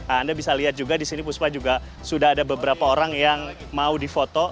anda bisa lihat juga di sini puspa juga sudah ada beberapa orang yang mau difoto